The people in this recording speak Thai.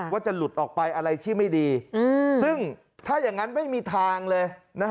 ว่าจะหลุดออกไปอะไรที่ไม่ดีซึ่งถ้าอย่างนั้นไม่มีทางเลย